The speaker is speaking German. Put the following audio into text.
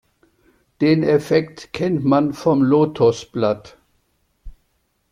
Den Effekt kennt man vom Lotosblatt.